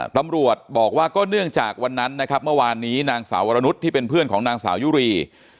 ตำรวจบอกว่าก็เนื่องจากวันนั้นนะครับเมื่อวานนี้นางสาววรนุษย์ที่เป็นเพื่อนของนางสาวยุรี